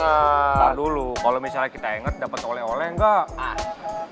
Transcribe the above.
ntar dulu kalo misalnya kita inget dapet oleh oleh nggak